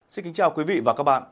xin kính chào quý vị và các bạn